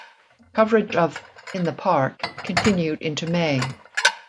Coverage of "In the Park" continued into May.